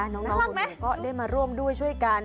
น้องน้องก็ได้มาร่วมด้วยช่วยกัน